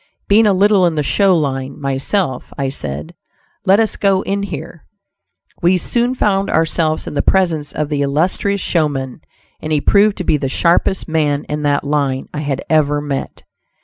Being a little in the "show line" myself, I said "let us go in here." We soon found ourselves in the presence of the illustrious showman, and he proved to be the sharpest man in that line I had ever met.